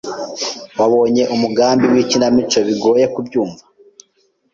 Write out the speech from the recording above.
Wabonye umugambi wikinamico bigoye kubyumva?